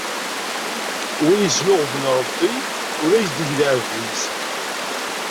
Win isnuɣben Ṛebbi, ula as-d-ig lɛebd-is.